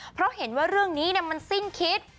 เพราะเห็นว่าเรื่องนี้มันสิ้นคิด